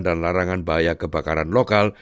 dan larangan bahaya kebakaran lokal